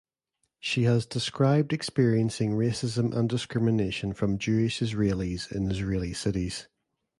She has described experiencing racism and discrimination from Jewish Israelis in Israeli cities.